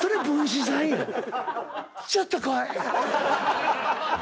「ちょっと来い」